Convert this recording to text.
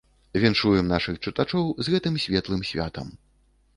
Віншуем нашых чытачоў з гэтым светлым святам.